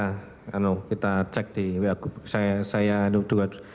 nanti kita cek di wa group